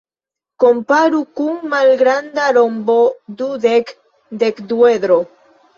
Komparu kun malgranda rombo-dudek-dekduedro.